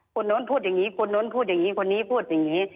คนนู้นพูดอย่างนี้คนนู้นพูดอย่างนี้คนนี้พูดอย่างนี้